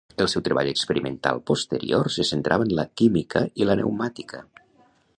El seu treball experimental posterior se centrava en la química i la pneumàtica.